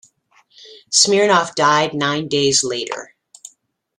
Smirnov died nine days later.